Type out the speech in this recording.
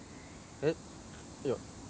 えっ？いや。